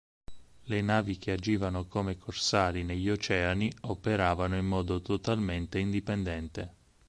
Le navi che agivano come corsari negli oceani operavano in modo totalmente indipendente.